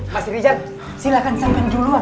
mas rijal silahkan sambil duluan